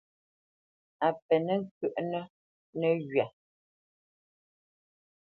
A pénə̄ ŋkyə́ʼnə́ nəghywa.